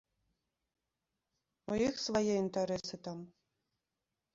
У іх свае інтарэсы там.